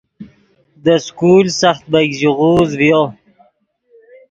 دے سکول سخت بیګ ژیغوز ڤیو